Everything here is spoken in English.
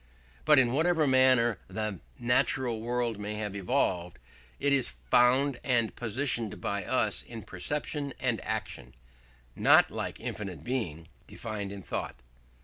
But in whatever manner the natural world may have evolved, it is found and posited by us in perception and action, not, like infinite Being, defined in thought.